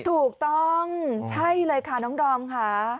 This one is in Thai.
ถูกต้องใช่เลยค่ะน้องดอมค่ะ